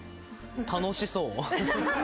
楽しそう。